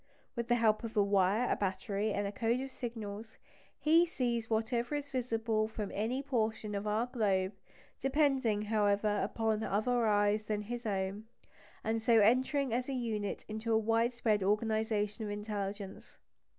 With the help of a wire, a battery, and a code of signals, he sees whatever is visible from any portion of our globe, depending, however, upon other eyes than his own, and so entering as a unit into a widespread organisation of intelligence.